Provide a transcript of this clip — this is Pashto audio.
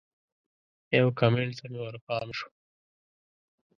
یو کمنټ ته مې ورپام شو